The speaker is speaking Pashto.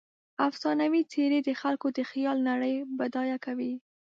افسانوي څیرې د خلکو د خیال نړۍ بډایه کوي.